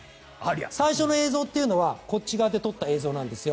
最初の映像というのはこっち側で撮った映像なんですよ。